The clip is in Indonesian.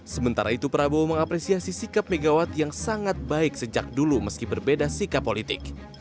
sementara itu prabowo mengapresiasi sikap megawati yang sangat baik sejak dulu meski berbeda sikap politik